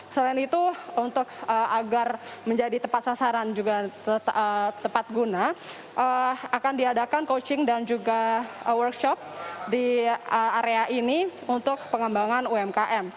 selain itu untuk agar menjadi tempat sasaran juga tepat guna akan diadakan coaching dan juga workshop di area ini untuk pengembangan umkm